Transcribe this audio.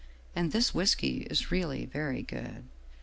And this whisky is really very good.